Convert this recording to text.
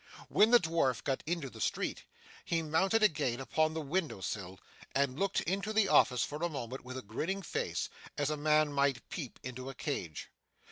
When the dwarf got into the street, he mounted again upon the window sill, and looked into the office for a moment with a grinning face, as a man might peep into a cage.